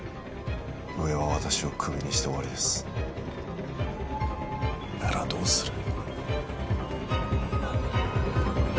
上は私をクビにして終わりですならどうする？